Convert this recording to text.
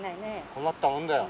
困ったもんだよ。